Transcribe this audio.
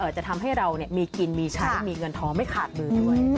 จะทำให้เรามีกินมีใช้มีเงินทองไม่ขาดมือด้วย